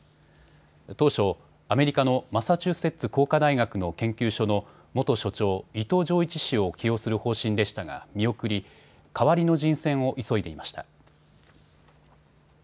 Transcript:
当初、アメリカのマサチューセッツ工科大学の研究所の元所長、伊藤穰一氏を起用する方針でしたが、見送り代わりの人選を急いでいました。